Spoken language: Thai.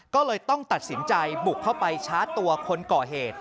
ก็เลยต้องตัดสินใจบุกเข้าไปชาร์จตัวคนก่อเหตุ